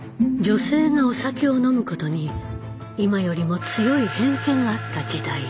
女性がお酒を飲むことに今よりも強い偏見があった時代。